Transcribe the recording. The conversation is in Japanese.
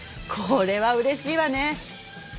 これはうれしいわね。